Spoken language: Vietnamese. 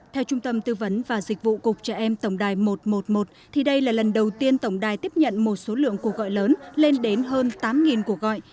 theo trung tâm tư vấn và dịch vụ cục trẻ em tổng đài một trăm một mươi một thì đây là lần đầu tiên tổng đài tiếp nhận một số lượng cuộc gọi lớn lên đến hơn tám cuộc gọi